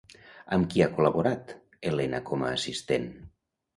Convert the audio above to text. Amb qui ha col·laborat Elena com a assistent?